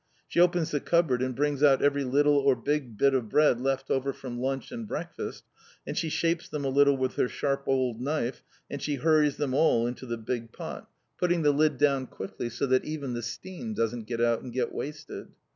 She opens the cupboard, and brings out every little or big bit of bread left over from lunch and breakfast, and she shapes them a little with her sharp old knife, and she hurries them all into the big pot, putting the lid down quickly so that even the steam doesn't get out and get wasted!